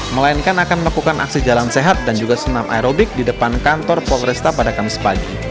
melainkan akan melakukan aksi jalan sehat dan juga senam aerobik di depan kantor polresta pada kamis pagi